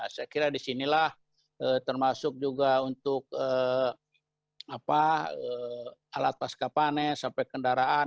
saya kira disinilah termasuk juga untuk alat pasca panen sampai kendaraan